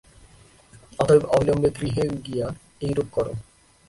অতএব অবিলম্বে গৃহে গিয়া এইরূপ কর।